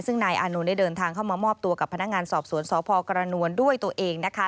ซึ่งนายอานนท์ได้เดินทางเข้ามามอบตัวกับพนักงานสอบสวนสพกรณวลด้วยตัวเองนะคะ